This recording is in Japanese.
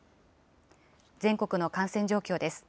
全国の感染状況です。